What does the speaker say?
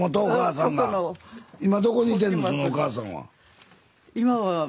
そのお母さんは。